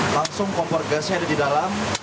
langsung kompor gasnya ada di dalam